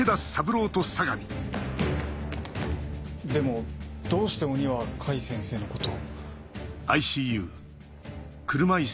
でもどうして鬼は甲斐先生のことを？